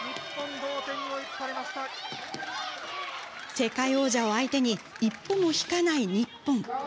世界王者を相手に一歩も引かない日本。